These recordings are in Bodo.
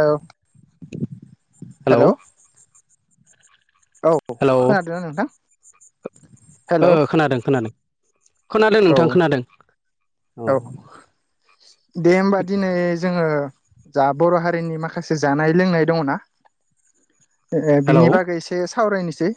ओ हेलौ। औ हेलौ खोनादों ना नोंथां हेलौ ओ खोनादों खोनादों खोनादों औ नोंथां खोनादों औ दे होमबा दिनै जोङो जा बर' हारिनि माखासे जानाय लोंनाय दङना हेलौ बिनि बागै एसे सावरायनोसै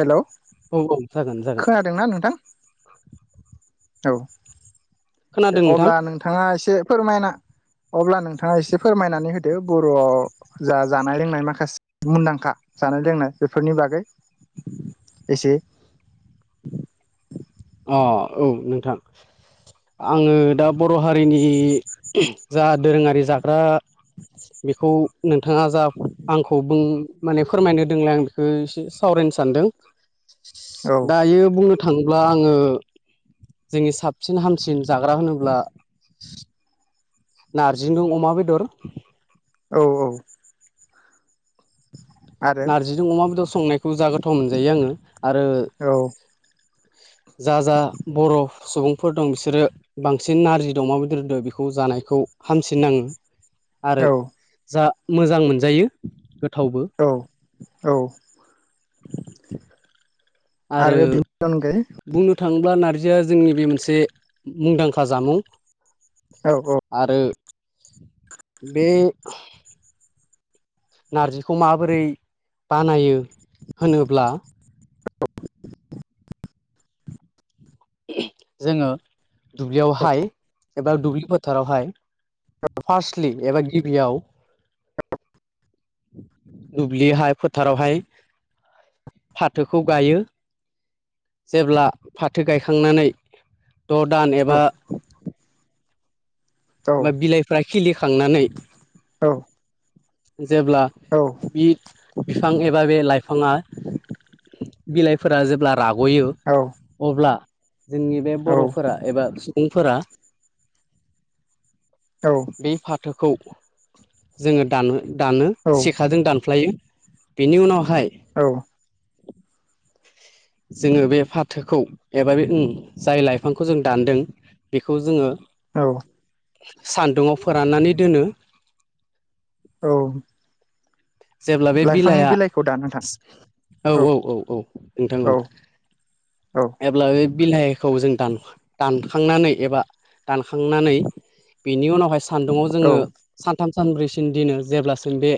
हेल' औ औ जागोन जागोन खोनादोंना नोंथां औ खोनादों नोंथां अब्ला नोंथाङा एसे फोरमायना अब्ला नोंथाङा एसे फोरमायनानै होदो बर'आव जा जानाय लोंनाय माखासे मुंदांखा जानाय लोंनाय बेफोरनि बागै एसे आ औ नोंथां। आङो दा बर' हारिनि जा दोरोङारि जाग्रा बेखौ नोंथाङा जा आंखौ बुं माने फोरमायनो होदों आं बेखौ एसे सावरायनो सानदों औ दायो बुंनो थाङोब्ला दा आङो जोंनि साबसिन हामसिन जाग्रा होनोब्ला नारजिजों अमा बेदर औ औ। आरो नारजिजों अमा बेदर संनायखौ ज गोथाव मोनजायो आङो आरो औ जा जा बर' सुबुंफोर दं बिसोरो बांसिन नारजिजों अमा बेदरजों बेखौ जानायखौ हामसिन नाङो। आरो औ जा मोजां मोनजायो गोथावबो औ औ। आरो बेनि अनगायै बुंनो नो थाङोब्ला नारजिया जोंनि बे मोनसे मुंदांखा जामुं औ औ आरो बे नारजिखौ माबोरै बानायो होनोब्ला [inaudible] जोङो दुब्लियावहाय एबा दुब्लि फोथारावहाय फारटलि एबा गिबियाव दुब्लिहाय फोथारावहाय फाथोखौ गायो। जेब्ला फाथो गायखांनानै द' दान औ एबा बिलाइफ्रा खिलिखांनानै औ। जेब्ला औ बि बिफां एबा बे लाइफाङा बिलाइफोरा जेब्ला राग'यो‌ औ अब्ला जोंनि बे औ बर'फोरा एबा सुबुंफोरा औ फाथोखौ जोङो दानो दानो सेखाजों दानफ्लायो। बेनि उनावहाय औ जोङो बे फाथोखौ एबा बे उम जाय लाइफांखौ जों दानदों बेखौ जोङो औ सान्दुाव फोराननानै दोनो औ जेब्ला बे लाइफांनि बिलाइआ बिलाइखौ दान नोंथां औ औ। औ एब्ला बे बिलाइखौ जों दान दानखांनानै एबा दानखांनानै बेनि उनावहाय सान्दुङाव औ जोङो सानथाम सानब्रैसिन दिनो जेब्लासिम बे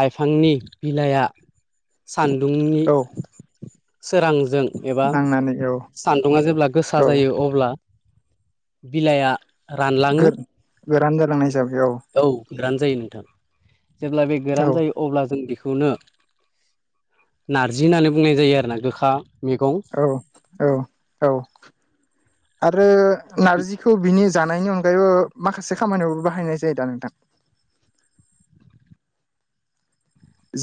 लाइफांनि बिलाइआ सान्दुंनि औ सोरांजों एबा नांनानै औ सान्दुङा जेब्ला गोसा औ जायो अब्ला बिलाइआ रानलाङो गो गोरान जालांनाय हिसाबै औ। औ गोरान जायो नोंथां जेब्ला बे औ गोरान जायो अब्ला जों बेखौनो नारजि होननानै बुंनाय जायो आरोना गोखा मेगं औ औ औ [inaudible] आरो नारजिखौ बिनि जानायनि अनगायैबो माखासे खामानियावबो बाहायनाय जायो दा नोंथां।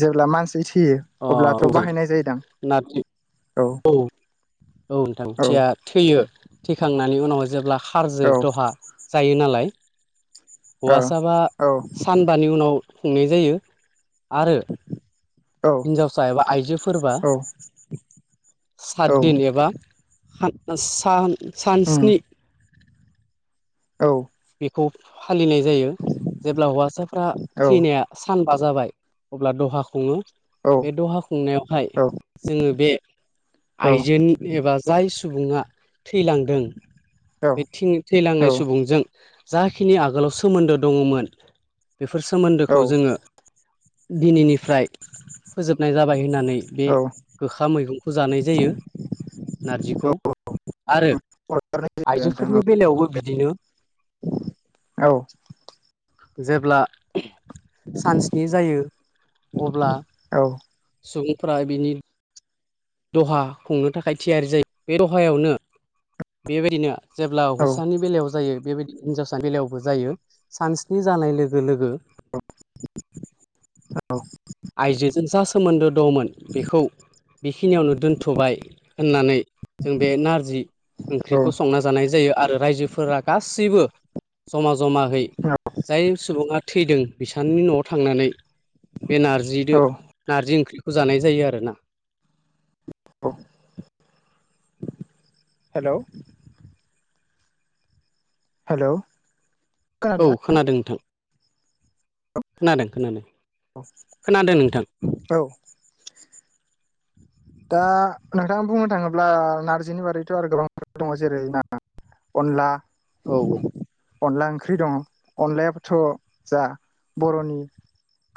जेब्ला मानसि थैयो अ अब्लाथ' मफ्राय बाहायनाय जायोदां नारजि औ औ नोंथांथिया थैयो थैखांनानै उनाव जेब्ला खारजो औ दहा जायो नालाय औ हौवासाबा औ सानबानि उनाव खुंनाय जायो आरो [inaudible] औ हिनजावसा एबा आइजोफोरबा औ औ सातदिन एबा सान सान सानस्नि औ बेखौ फालिनाय जायो जेब्ला हौवासाफ्रा थैनाया सानबा जाबाय अब्ला दहा खुङो। बे दहा खुंनायावहाय जोङो बे औ आइजो एबा जाय सुबुङा थैलांदों औ बे औ थैलांनाय सुबुंजों जाखिनि आगोलाव सोमोन्दो दङमोन बेफोर सोमोन्दोखौ जोङो दिनैनिफ्राय फोजोबनाय जाबाय होननानै बे औ गोखा मैगंखौ जानाय जायो। नारजिखौ आरो औ नोंथां आइजोफोरनि बेलायावबो बिदिनो औ जेब्ला सानस्नि जायो अब्ला औ सुबुंफ्रा बिनि दहा खुंनो थाखाय थियारि जायो बे दहायावनो बेबायदिनो जेब्ला हौसानि बेलायाव जायो बेबायदि हिनजावसा बेलायावबो जायो सानस्नि जानाय लोगो लोगो आइजोजों जा सोमोन्दो दंमोन बेखौ बेखिनियावनो दोन्थ'बाय होननानै जों बे नारजि औ ओंख्रिखौ संना जानाय जायो आरो रायजोफोरा गासैबो जमा जमायै जाय सुबुङा थैदों बिसनि न'आव थांनानै बे औ नारजिदो नारजि ओंख्रिखौ जानाय जायो आरो। औ हेलौ। हेलौ औ खोनादोंना खोनादों नोंथां। खोनादों खोनादों। खोनादों नोंथां औ। दा नोंथाङा बुंनो थाङोब्ला नारजिनि बारैथ' आरो गोबां दङ जेरै ना। अनला औ औ। अनला ओंख्रि दं अनलायाबाथ' जा बर'नि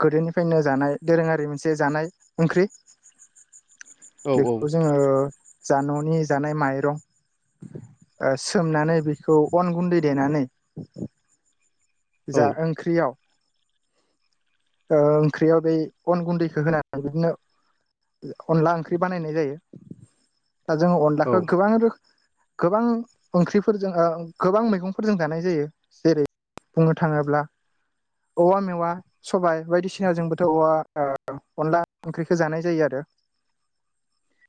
गोदोनिफ्रायनो जानाय दोरोङारि मोनसे जानाय ओंख्रि औ बेखौ जोङो जा न'नि जानाय माइरं सोमनानै बेखौ अन गुन्दै देनानै औ जा ओंख्रियाव ओ ओंख्रियाव बे अन गुन्दैखौ होनानै बिदिनो अनला ओंख्रि बानायनाय जायो दा जोंङ औ अनलाखौ गोबां रोख गोबां ओंख्रिफोरजों ओ गोबां मैगंफोरजों जानाय जायो जेरै बुंनो थाङोब्ला औवा मेवा सबायाइ बायदिसिना जोंबोथ' औवा अनला ओंख्रिखौ जानाय जायो आरो [inaudible]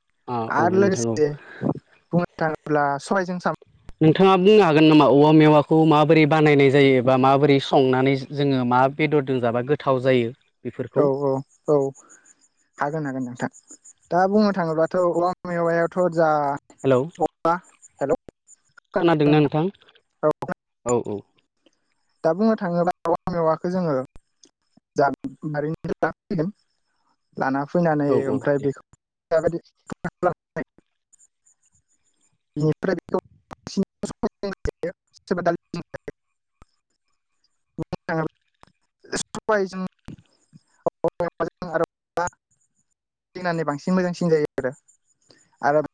औ आरो नोंथां औ लोगोसे बुंनो थाङोब्ला सहजों साम नोंथाङा बुंनो हागोन नामा औवा मेवाखौ माबोरै बानायनाय जायो एबा माबोरै संनानै जोङो मा बेदरजों जाबा गोथाव जायो? औ बेफोरखौ औ औ। हागोन हागोन नोंथां दा बुंनो थाङोबाथ' अ मेवायावथ' जा हेलौ। [unintelligible] खोनादोंना नोंथां? औ औ औ दा बुंनो थाङोब्ला मा मेवखौ जोङो [unintelligible] लाना फैनानै औ ओमफ्राय बेखौ [unintelligible] [unintelligible] [unintelligible] होनानै बांसिन मोजांसिन जायो आरो आरो [unintelligible]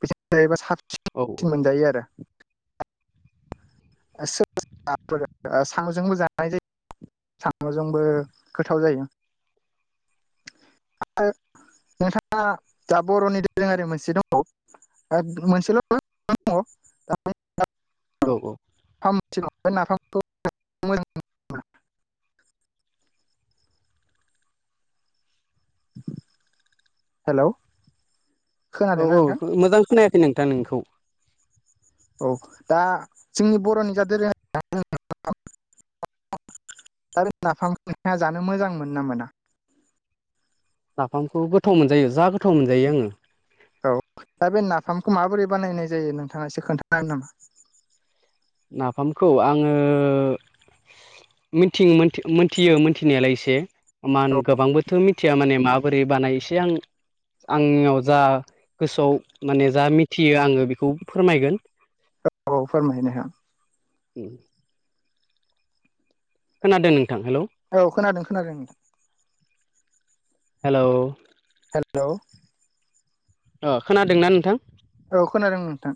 बेजों जायोबा साबसिन मोनजांसिन औ मोनजायो आरो दा सोरबा सोरबा सामजोंबो जानाय जायो। साम'जोंबो गोथाव जायो। आरो नोंथाङा दा बर'नि दोरोङारि मोनसे दङबावो मोनसेल' गोबां दङ औ औ। फामसेलांबाय नाफामखौ हेलौ। औ खोनादोंना नोंथां औ मोजां खोननायाखै नोंथां नोंनिखौ। औ दा जोंनि बर'नि दोरोङारि जानाय लोंनायखौ आरो नोंथांआ नाफाम जानो मोजां मोनोगोना मोना? नाफामखौ गोथाव मोनजायो जा गोथाव मोनजायो आङो। औ दा बे नाफामखौ माबोरै बानायनाय जायो नोंथाङा एसे खोन्थानो हागोन नामा? नाफामखौ आङो मिथिं मोनथियो मोनथिनायालाय एसे औ मान गोबांबोथ' मिथिया माने माबोरै बानाय एसे आं आंनियाव जा गोसोआव माने जा मिथियो आङो बेखौ फोरमायगोन औ औ फोरमायनो हा। उ खोनादों नोंथां हेल'? औ खोनादों खोनादों। हेल' हेल' अ खोनादोंना नोंथां? औ खोनादों नोंथां।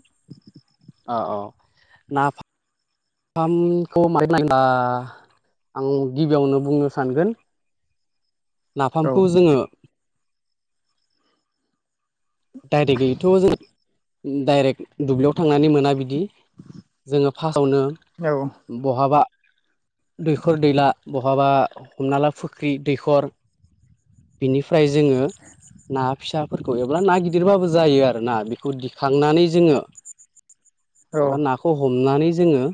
औ औ न मखौ मैना आं गिबियावनो बुंनो सानगोन औ नाफामखौ जंङ डाइरेक्ट गैयैथ' जों डाइरेक्ट दुब्लियाव थांनानै मोना बिदि जंङो फार्स्टआवनो औ बहाबा दैखर दैला बहाबा हमना ला फुख्रि दैखर बिनिफ्राय जोङो ना फिसाफोरखौ एबा ना गिदिर गिदिरबाबो जायो आरो ना। बेखौ दिखांनानै जोंङो औ एबा ना। खौ हमनानै जोङो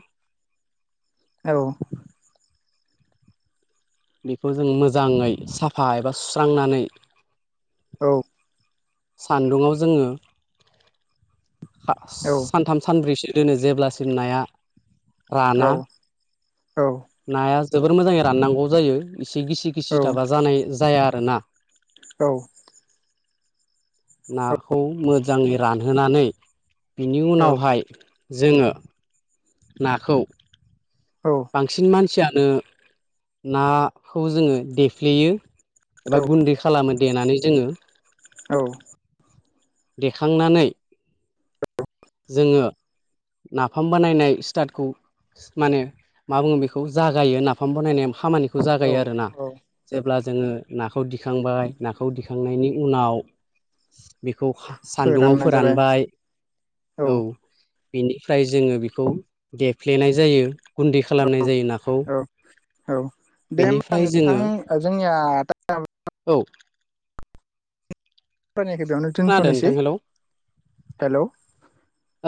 औव बेखौ जों मोजांङै साफा एबा सुस्रांनानै औ सान्दुङाव जोंङो बा औव सानथाम सानब्रैसो दोनो जेब्लासिम नाया राना औव औव नाया जोबोर मोजंङै राननांगौ जायो इसे गिसि गिसि थाबा जानाय जाया आरो ना। औव नाखौ मोजांङै रानहोनानै बिनि उनावहाय जोंङ नाखौव औ बांसिन मानसियानो नाखौ जोंङो देफ्लेयो? एबा गुन्दै खालामो देनानै जोंङो। औव देखांनानै जोंङो नाफाम बानायनाय स्टारटखौ माने मा बुंङो बेखौ जागायो नाफाम नाफाम बानायनाया खामानिखौ जागायो आरो ना। औ औ जेब्ला जोंङो नाखौ दिखांबाय नाखौ दिखांनायनि उनाव बेखौ सान्दुं आव फोराननाय जाबाय फोरानबाय। औ बेनिफ्राय जोंङो बेखौ देफ्लेनाय जायो। गुन्दै खालामनाय जायो नाखौ। औ दे होमबा नोंथां जोंनिया औव फोरानि खोव बेनो खोनादों नोंथां हेल'?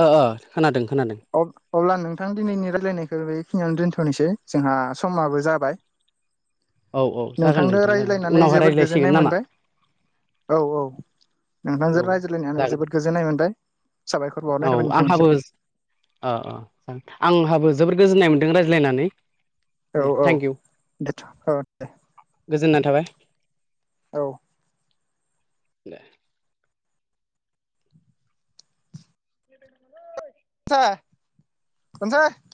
अ अ खोनादों खोनादों। अब्ला नोंथां दिनैनि रायलायनायखौ बेखिनियावानो दोनथ'नोसै जोंहा समाबो जाबाय। औ औ जागोन नोंथांनो नोंथां जागोन रायज्लायनानै उनावहाय जोबोद रायज्लायसिगोन गोजोननाय नामा मोनबाय। औ औ औ नोंथांजों रायज्लायनानै जागोन जोबोद गोजोननाय मोनबाय। साबायखर बावरनाय औ थाबाय आंहाबो नोंथांनिसिम। अ अ ज आंहाबो जोबोर गोजोननाय मोन्दों रायज्लायनानै। औ दे औ थेंक इउ दोनथ' औ दे गोजोननाय थाबाय औ। दे [inaudible]